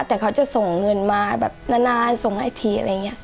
แต่เขาจะส่งเงินมาแบบนานส่งให้ทีอะไรอย่างนี้